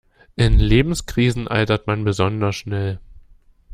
In Lebenskrisen altert man besonders schnell.